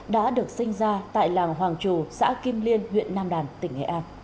đã được sinh ra tại làng hoàng trù xã kim liên huyện nam đàn tỉnh nghệ an